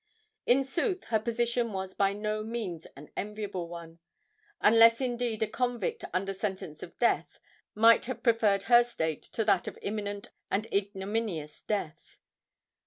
In sooth, her position was by no means an enviable one—unless indeed a convict under sentence of death might have preferred her state to that of imminent and ignominious death.